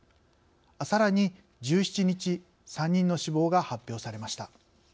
さらに、１７日３人の死亡が発表されました。